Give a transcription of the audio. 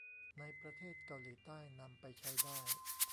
ในประเทศเกาหลีใต้นำไปใช้ได้